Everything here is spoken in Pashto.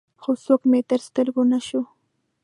خو څوک مې تر سترګو نه شو.